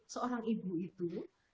seorang ibu itu